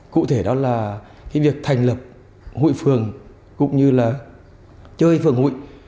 cụ thể đó là việc thành lập hụi phường cũng như là chơi phường hụi